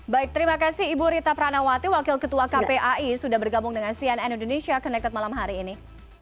baik terima kasih ibu rita pranawati wakil ketua kpai sudah bergabung dengan cnn indonesia connected malam hari ini